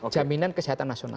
jaminan kesehatan nasional